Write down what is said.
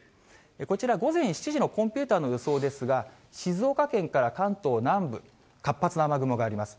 こちら、午前７時のコンピューターの予想ですが、静岡県から関東南部、活発な雨雲があります。